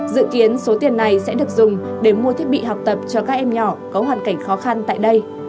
dự kiến số tiền này sẽ được dùng để mua thiết bị học tập cho các em nhỏ có hoàn cảnh khó khăn tại đây